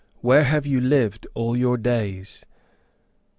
Where have you lived all your days?"